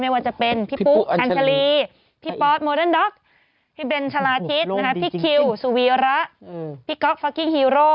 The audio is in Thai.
ว่าจะเป็นพี่ปุ๊อัญชาลีพี่ป๊อตโมเดิร์ด็อกพี่เบนชะลาทิศพี่คิวสุวีระพี่ก๊อกฟักกิ้งฮีโร่